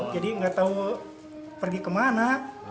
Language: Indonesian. jadi nggak tahu pergi kemana